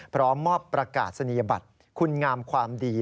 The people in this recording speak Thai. พร้อมมอบประกาศนียบัตรคุณงามความดี